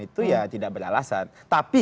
itu ya tidak beralasan tapi